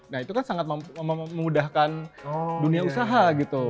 nah itu kan sangat memudahkan dunia usaha gitu